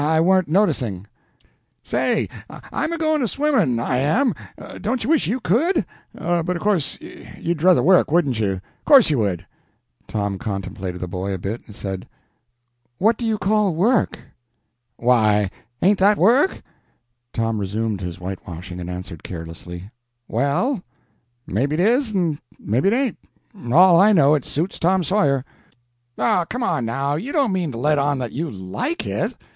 I warn't noticing." "Say, I'm going in a swimming, I am. Don't you wish you could? But of course you'd druther work, wouldn't you? 'Course you would!" Tom contemplated the boy a bit, and said "What do you call work?" "Why ain't that work?" Tom resumed his whitewashing, and answered carelessly "Well, maybe it is, and maybe it ain't. All I know is, it suits Tom Sawyer." "Oh, come now, you don't mean to let on that you like it?"